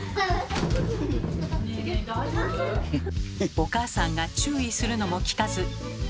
お母さんが注意するのも聞かず。